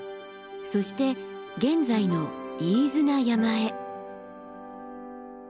そして現在の飯縄山へ。